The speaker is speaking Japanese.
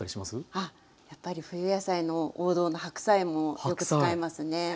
あっやっぱり冬野菜の王道の白菜もよく使いますね。